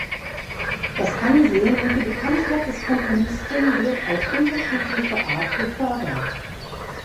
Das Ansehen und die Bekanntheit des Komponisten wird auf unterschiedliche Art gefördert.